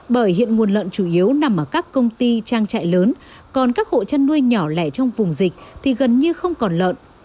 bởi hiện nguồn lợn chủ yếu nằm ở các công ty trang trại lớn còn các hộ chăn nuôi nhỏ lẻ trong vùng dịch thì gần như không còn lợn